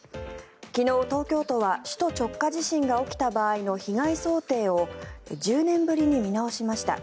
昨日、東京都は首都直下地震が起きた場合の被害想定を１０年ぶりに見直しました。